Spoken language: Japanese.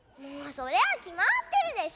そりゃあきまってるでしょ。